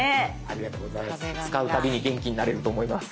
使うたびに元気になれると思います。